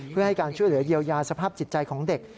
เพื่อให้การช่วยเหลือเยียวยาสภาพจิตใจของเด็ก